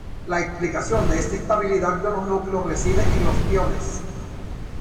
La explicación de esta estabilidad de los núcleos reside en los piones.